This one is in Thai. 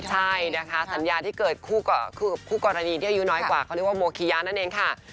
ใช่นะคะสัญญาที่เกิดคือคู่กรณีที่อายุน้อยกว่าเขาเรียกว่าโมคิยานั่นเองค่ะ